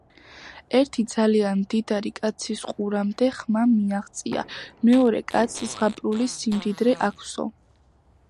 ერთი ძალიან მდიდარი კაცის ყურამდე ხმამ მიაღწია, მეორე კაცს ზღაპრული სიმდიდრე აქვსო